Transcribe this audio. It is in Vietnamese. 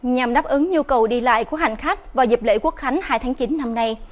nhằm đáp ứng nhu cầu đi lại của hành khách vào dịp lễ quốc khánh hai tháng chín năm nay